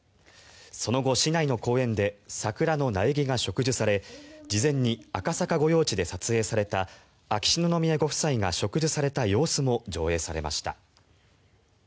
その後、市内の公園で桜の苗木が植樹され事前に赤坂御用地で撮影された秋篠宮ご夫妻が植樹された様子も上映されました。